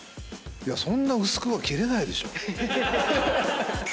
そんな薄くは切れないでしょ。